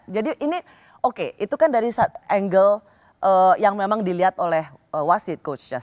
jadi ini oke itu kan dari angle yang memang dilihat oleh wasit coach